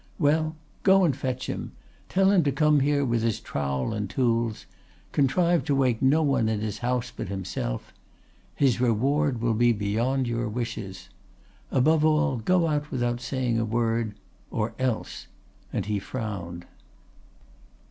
—Well, go and fetch him; tell him to come here with his trowel and tools. Contrive to wake no one in his house but himself. His reward will be beyond your wishes. Above all, go out without saying a word—or else!' and he frowned.